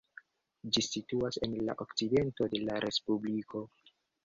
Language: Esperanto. Ĝi situas en la okcidento de la respubliko.